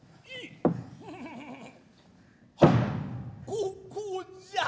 ここじゃ。